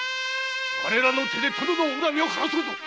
われらの手で殿の恨みを晴らそうぞ！